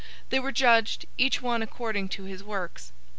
They were judged, each one according to his works.